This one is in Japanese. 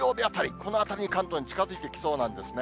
このあたりに関東に近づいてきそうなんですね。